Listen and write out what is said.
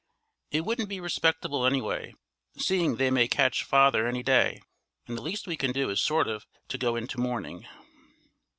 It wouldn't be respectable any way, seeing they may catch father any day, and the least we can do is sort of to go into mourning."